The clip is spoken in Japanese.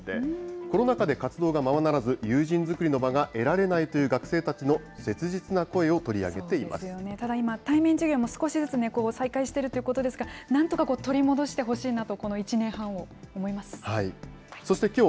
コロナ禍で活動がままならず、友人作りの場が得られないという学生たちの切実な声を取り上げていそうですよね、ただ、今、対面授業も少しずつ再開してるということですから、なんとか取り戻してほしいなと、この１年半を思います。